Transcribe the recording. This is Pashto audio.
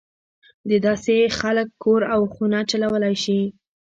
دداسې خلک کور او خونه چلولای شي.